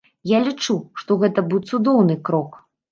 Я лічу, што гэта быў цудоўны крок.